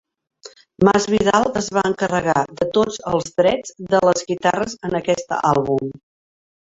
Masvidal es va encarregar de tots els drets de les guitarres en aquest àlbum.